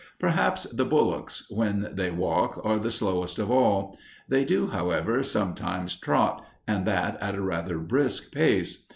Perhaps the bullocks, when they walk, are the slowest of all. They do, however, sometimes trot, and that at a rather brisk pace.